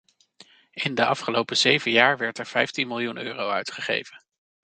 In de afgelopen zeven jaar werd er vijftien miljoen euro uitgegeven.